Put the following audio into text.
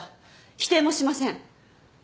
否定もしません。